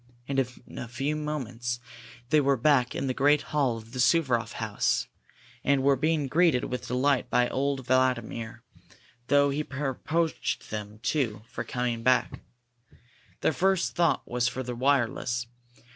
And in a few moments they were back in the great hall of the Suvaroff house, and were being greeted with delight by old Vladimir, though he reproached them, too, for coming back. Their first thought was for the wireless.